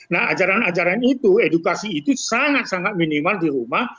nah ajaran ajaran itu edukasi itu sangat sangat minimal di rumah